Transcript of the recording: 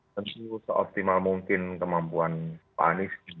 tentu seoptimal mungkin kemampuan pak anies